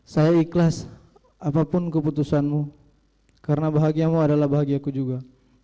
saya ikhlas apapun keputusanmu karena bahagiamu adalah bahagiaku juga